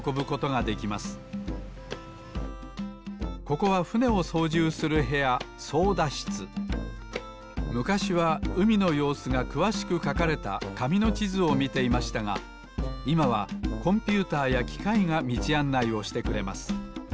ここはふねをそうじゅうするへやむかしはうみのようすがくわしくかかれたかみのちずをみていましたがいまはコンピューターやきかいがみちあんないをしてくれます。